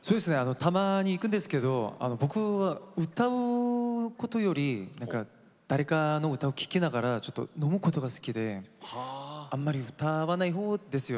たまに行くんですけど僕は歌うことより誰かの歌を聴きながらちょっと飲むことが好きであんまり歌わないほうですよね。